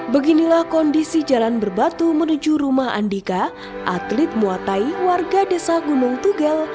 beginilah kondisi jalan berbatu menuju rumah andika atlet muatai warga desa gunung tugel